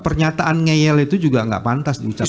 pernyataan ngeyel itu juga nggak pantas diucapkan